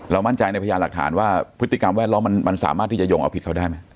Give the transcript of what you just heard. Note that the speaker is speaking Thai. มั่นใจในพยานหลักฐานว่าพฤติกรรมแวดล้อมมันสามารถที่จะโยงเอาผิดเขาได้ไหม